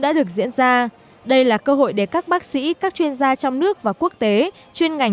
đã được diễn ra đây là cơ hội để các bác sĩ các chuyên gia trong nước và quốc tế chuyên ngành